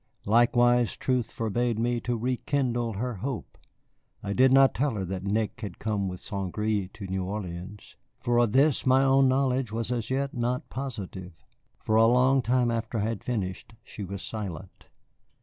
Likewise, truth forbade me to rekindle her hope. I did not tell her that Nick had come with St. Gré to New Orleans, for of this my own knowledge was as yet not positive. For a long time after I had finished she was silent.